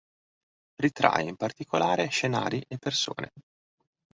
Ritrae in particolare scenari e persone.